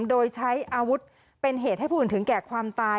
โดยใช้อาวุธเป็นเหตุให้ผู้อื่นถึงแก่ความตาย